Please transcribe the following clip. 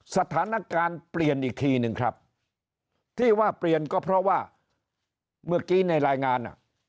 สถานการณ์เปลี่ยนอีกทีนึงครับที่ว่าเปลี่ยนก็เพราะว่าเมื่อกี้ในรายงาน